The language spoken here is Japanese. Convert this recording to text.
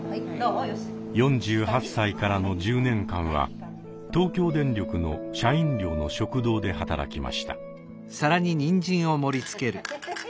４８歳からの１０年間は東京電力の社員寮の食堂で働きました。